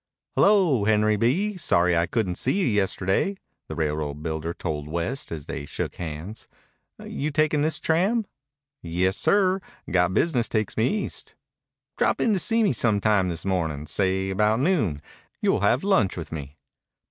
"Hello, Henry B. Sorry I couldn't see you yesterday," the railroad builder told West as they shook hands. "You taking this tram?" "Yes, sir. Got business takes me East." "Drop in to see me some time this morning. Say about noon. You'll have lunch with me."